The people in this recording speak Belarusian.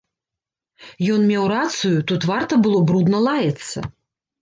Ён меў рацыю, тут варта было брудна лаяцца.